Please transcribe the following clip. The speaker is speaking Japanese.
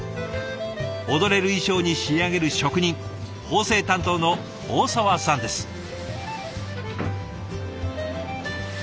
踊れる衣裳に仕上げる職人縫製担当の大澤さんです。